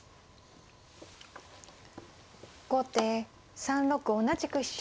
後手３六同じく飛車。